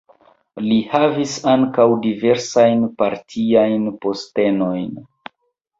Li havis ankaŭ diversajn partiajn postenojn.